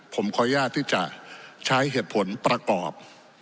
ผมขออนุญาตที่จะใช้เหตุผลประกอบ